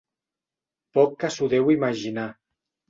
Poc que s'ho deu imaginar.